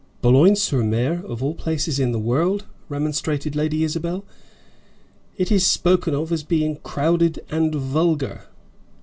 "Boulogne sur Mer, of all places, in the world!" remonstrated Lady Isabel. "It is spoken of as being crowded and vulgar."